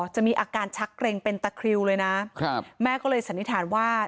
จะมีอาการชักเกร็งเป็นตะคริวเลยนะครับแม่ก็เลยสันนิษฐานว่า